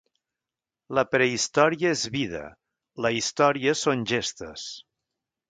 La prehistòria és vida, la història són gestes.